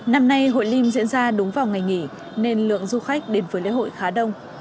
năm nay hội liêm diễn ra đúng vào ngày nghỉ nên lượng du khách đến với lễ hội khá đông